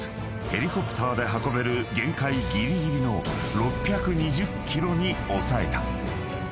ヘリコプターで運べる限界ぎりぎりの６２０ｋｇに抑えた］